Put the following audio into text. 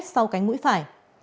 sau cánh mũi phải